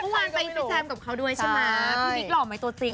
ข้างบ้านไปมีแชมป์กับเขาด้วยใช่ไหมพี่บิ๊กหรอไหมตัวจริง